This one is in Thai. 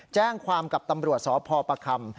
แจ้งความกับตำรวจสพประคำ